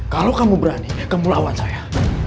kalau kamu berani kamu lawan saya